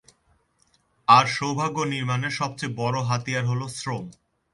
আর সৌভাগ্য নির্মাণের সবচেয়ে বড় হাতিয়ার হলো শ্রম।